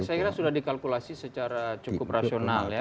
saya kira sudah dikalkulasi secara cukup rasional ya